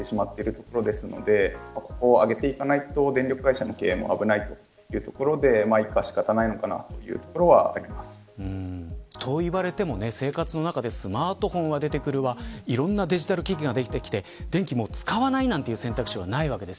ここを上げていかないと電力会社も危ないというところで致し方ないのかなといわれても、生活の中でスマートフォンは出てくるわいろんなデジタル機器が出てきて電気を使わないという選択肢はないわけです。